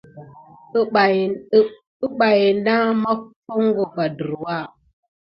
Umpay ne mā foŋko va ɗurwa.